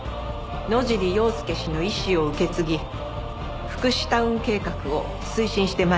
野尻要介氏の遺志を受け継ぎ福祉タウン計画を推進して参りたいと思います。